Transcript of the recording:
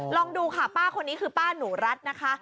ลองดูค่ะป้าคนนี้คือป้าหนูรัฐนะคะ